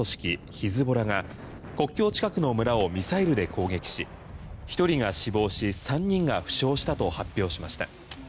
ヒズボラが国境近くの村をミサイルで攻撃し１人が死亡し、３人が負傷したと発表しました。